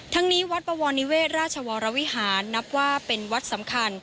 ทั้งนี้วัดบวรนิเวศราชวรวิหารนับว่าเป็นวัดสำคัญ